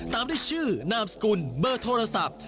ตามด้วยชื่อนามสกุลเบอร์โทรศัพท์